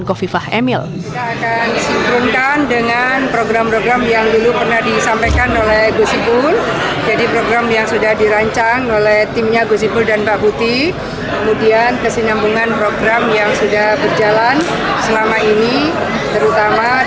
kofifah juga berjanji akan mengakomodir program kerja yang dicanangkan oleh gus ipul putih